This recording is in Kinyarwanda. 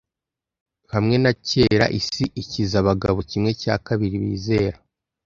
Hamwe na kera-isi ikiza abagabo kimwe cya kabiri bizera